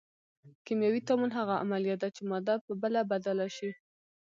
کیمیاوي تعامل هغه عملیه ده چې ماده په بله بدله شي.